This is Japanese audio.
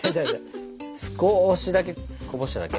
少しだけこぼしただけ。